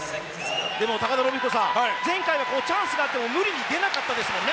高田延彦さん、前回はチャンスがあっても無理に出なかったですもんね